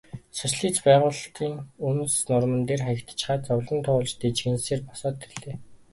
Социалист байгуулалтын үнс нурман дээр хаягдчихаад зовлон туулж дэнжгэнэсээр босоод ирлээ.